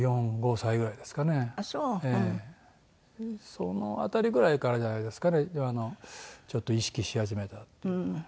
その辺りぐらいからじゃないですかねちょっと意識し始めたっていうのは。